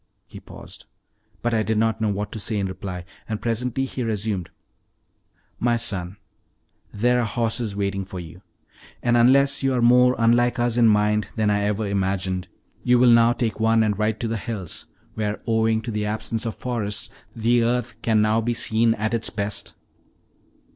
He paused, but I did not know what to say in reply, and presently he resumed: "My son, there are horses waiting for you, and unless you are more unlike us in mind than I ever imagined, you will now take one and ride to the hills, where, owing to the absence of forests, the earth can now be seen at its best."